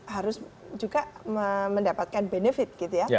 harus juga mendapatkan benefit